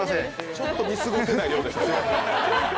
ちょっと見過ごせない量でしたね。